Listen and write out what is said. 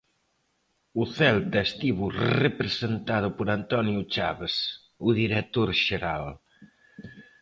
O Celta estivo representado por Antonio Chaves, o director xeral.